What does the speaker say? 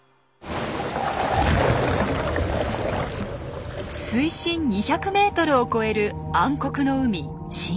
水深２００ｍを超える暗黒の海深海。